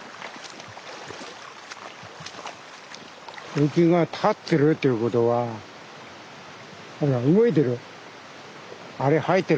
浮きが立ってるということはほら動いてる。